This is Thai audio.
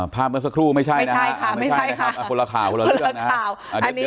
ภาพเมื่อสักครู่ไม่ใช่นะครับคนละข่าวคนละเรื่องนะครับ